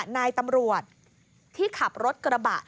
นายตำรวจที่ขับรถกระบะ